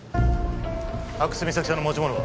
阿久津実咲さんの持ち物は？